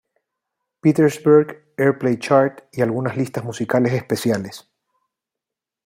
Petersburg Airplay Chart y algunas listas musicales especiales.